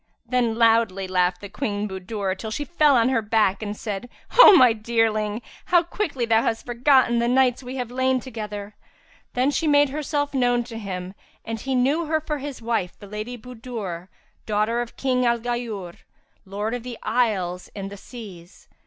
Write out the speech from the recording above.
Then loudly laughed Queen Budur till she fell on her back,[FN#349] and said, "O my dearling, how quickly thou hast forgotten the nights we have lain together!" Then she made herself known to him, and he knew her for his wife, the Lady Budur, daughter of King al Ghayur, Lord of the Isles and the Seas.